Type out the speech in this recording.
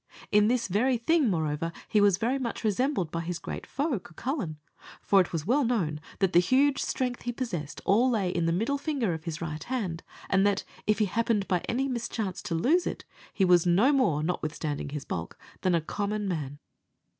In this very thing, moreover, he was very much resembled by his great foe, Cucullin; for it was well known that the huge strength he possessed all lay in the middle finger of his right hand, and that, if he happened by any mischance to lose it, he was no more, notwithstanding his bulk, than a common man.